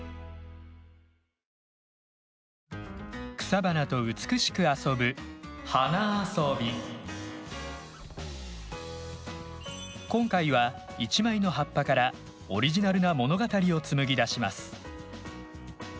草花と美しく遊ぶ今回は一枚の葉っぱからオリジナルな物語を紡ぎ出します。